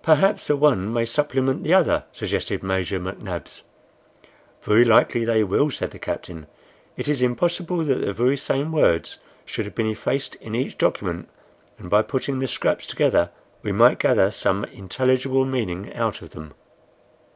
"Perhaps the one may supplement the other," suggested Major McNabbs. "Very likely they will," said the captain. "It is impossible that the very same words should have been effaced in each document, and by putting the scraps together we might gather some intelligible meaning out of them."